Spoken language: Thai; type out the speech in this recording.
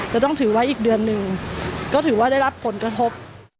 จะต้องถือไว้อีกเดือนหนึ่งก็ถือว่าได้รับผลกระทบ